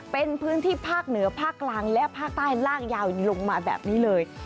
เป็นพื้นที่ภาคเหนือภาคกลางและภาคใต้ล่างยาวลงมาแบบนี้เลย